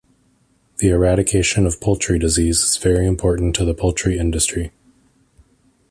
The eradication of poultry disease is very important to the poultry industry.